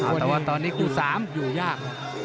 อ่าแต่ว่าตอนนี้กูสามอยู่ยาก